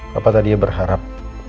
papa tadi ya berharap